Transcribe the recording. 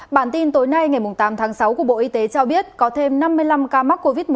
bản tin tối nay ngày tám tháng sáu của bộ y tế cho biết có thêm năm mươi năm ca mắc covid một mươi chín